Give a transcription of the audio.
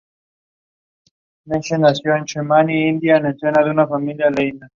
Existen versiones especiales para uso aeroespacial y militar.